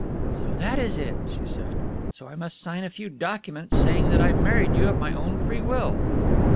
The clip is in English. "So that is it!" she said. "I must sign a few documents saying that I married you of my own free will!"